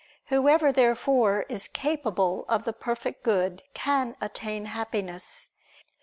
Whoever, therefore, is capable of the Perfect Good can attain Happiness.